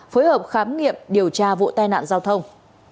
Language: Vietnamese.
phối hợp khám nghiệm điều tra vụ tai nạn giao thông